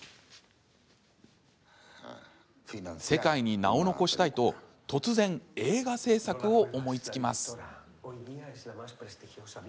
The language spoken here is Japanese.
世界に名を残したいと突然、映画製作を思いつきます。